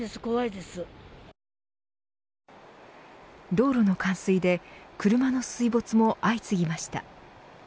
道路の冠水で車の水没も相次ぎました。